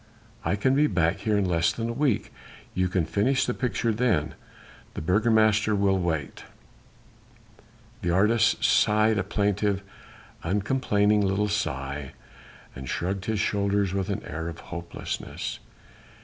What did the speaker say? "I can be back here in less than a week. You can finish the picture then. The Burgomaster will wait." The artist sighed a plaintive, uncomplaining little sigh and shrugged his shoulders with an air of hopelessness.